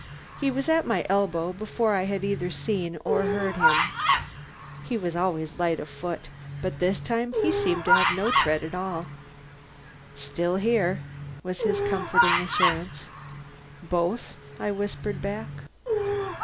He was at my elbow before I had either seen or heard him. He was always light of foot, but this time he seemed to have no tread at all. "Still here," was his comforting assurance. "Both?" I whispered back.